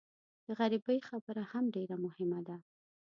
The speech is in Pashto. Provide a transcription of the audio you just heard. د غریبۍ خبره هم ډېره مهمه ده.